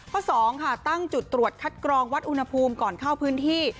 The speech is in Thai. ๒ค่ะตั้งจุดตรวจคัดกรองวัดอุณหภูมิก่อนเข้าพื้นที่